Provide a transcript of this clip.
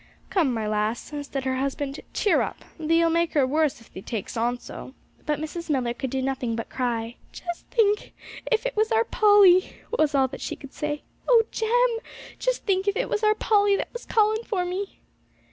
'Come, my lass,' said her husband, 'cheer up! Thee'll make her worse, if thee takes on so.' But Mrs. Millar could do nothing but cry. 'Just think if it was our Polly!' was all that she could say. 'Oh, Jem, just think if it was our Polly that was calling for me!'